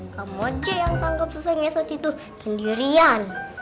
kamu aja yang tangkap suster mesot itu sendirian